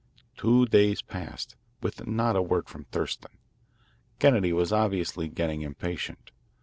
Two days passed with not a word from Thurston. Kennedy was obviously getting impatient.